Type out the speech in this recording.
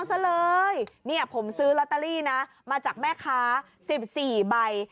ซะเลยเนี่ยผมซื้อลอตเตอรี่นะมาจากแม่ค้า๑๔ใบ